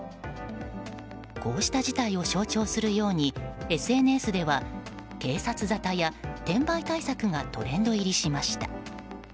こうした事態を象徴するようにＳＮＳでは警察沙汰や転売対策がトレンド入りしました。